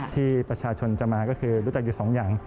ที่ประชาชนจะมาก็คือรู้จักอยู่สองอย่าง